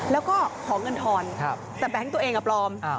แล้วก็ขอเงินทอนแต่แบงค์ตัวเองปลอม